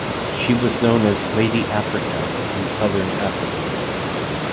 She was known as "Lady Africa" in Southern Africa.